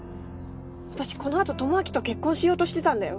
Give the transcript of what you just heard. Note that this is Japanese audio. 私このあと智明と結婚しようとしてたんだよ。